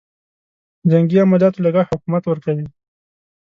جنګي عملیاتو لګښت حکومت ورکوي.